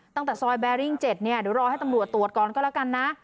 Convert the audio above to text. ตั้งแต่ซอยแบริ่ง๗เนี่ยเดี๋ยวรอให้ตำรวจตรวจก่อนก็แล้วกันนะ